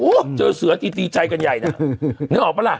เจอเสือตีใจกันใหญ่นะนึกออกปะล่ะ